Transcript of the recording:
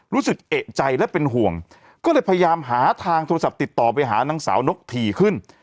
รู้สึกเอกใจและเป็นห่วงก็เลยพยายามหาทางโทรศัพท์ติดต่อไปหานางสาวนกถี่ขึ้น